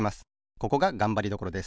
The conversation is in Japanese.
ここががんばりどころです。